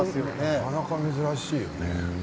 なかなか珍しいよね。